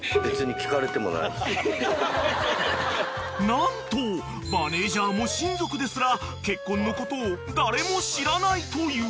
［何とマネージャーも親族ですら結婚のことを誰も知らないという］